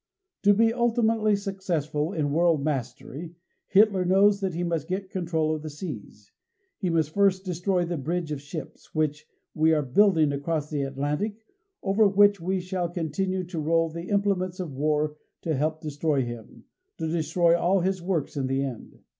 To be ultimately successful in world mastery, Hitler knows that he must get control of the seas. He must first destroy the bridge of ships which we are building across the Atlantic and over which we shall continue to roll the implements of war to help destroy him, to destroy all his works in the end.